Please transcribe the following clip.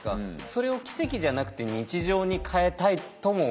それを奇跡じゃなくて日常に変えたいとも思いますよね。